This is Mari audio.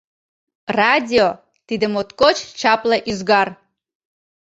Радио — тиде моткоч чапле ӱзгар!